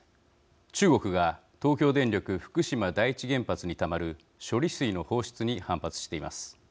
中国が東京電力福島第一原発にたまる処理水の放出に反発しています。